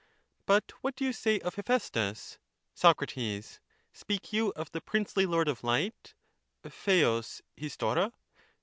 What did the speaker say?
But what do you say of Hephaestus? Soc. Speak you of the princely lord of light {(pdeog loropa)